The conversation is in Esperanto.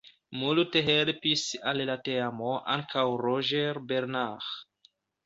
Multe helpis al la teamo ankaŭ Roger Bernard.